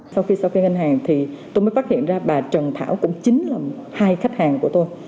sau khi ghen hàng tôi mới phát hiện ra bà trần thảo cũng chính là hai khách hàng của tôi